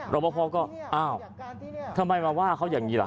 รับพอพอก็อ้าวทำไมมาว่าเขาอย่างนี้หรือ